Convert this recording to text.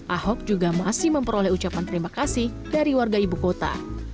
ahok juga masih memperoleh ucapan terima kasih dari warga ibu kota